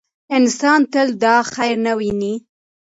انسان تل دا خیر نه ویني.